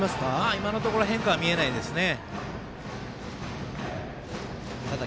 今のところ変化は見れないですね。